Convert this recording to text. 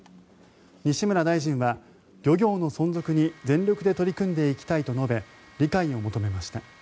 西村大臣は漁業の存続に全力で取り組んでいきたいと述べ理解を求めました。